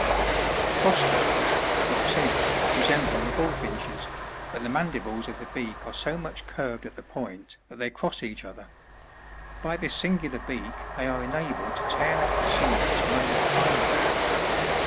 The Crossbills, — Loxia^ — resemble the Bullfinches, but the mandibles of the beak are so much curved at the point that they cross each other. By this singular beak they are enabled to tear out the seeds from under the pine cones.